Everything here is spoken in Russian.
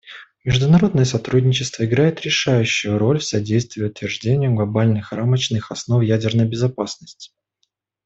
Международное сотрудничество играет решающую роль в содействии утверждению глобальных рамочных основ ядерной безопасности.